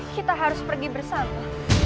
kita harus pergi bersama